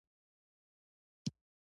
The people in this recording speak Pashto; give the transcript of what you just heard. خټکی له ویټامین A او C ډکه ده.